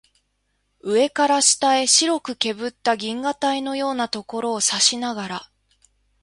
上から下へ白くけぶった銀河帯のようなところを指さしながら